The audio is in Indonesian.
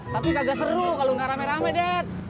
tapi kagak seru kalau gak rame rame de